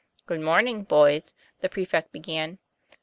"Good morning, boys," the prefect began.